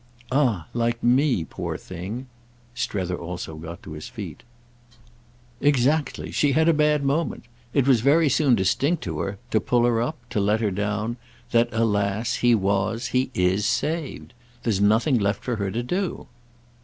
"Ah like me, poor thing?" Strether also got to his feet. "Exactly—she had a bad moment. It was very soon distinct to her, to pull her up, to let her down, that, alas, he was, he is, saved. There's nothing left for her to do."